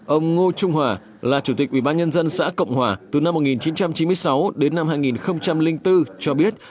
ông ngô trung hòa là chủ tịch ủy ban nhân dân xã cộng hòa từ năm một nghìn chín trăm chín mươi sáu đến năm hai nghìn bốn cho biết